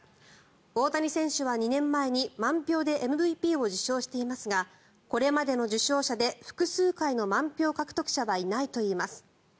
大谷選手は２年前に満票でＭＶＰを受賞していますがこれまでの受賞者で複数回の満票獲得者はいないといいます。